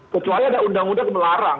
kecuali ada undang undang melarang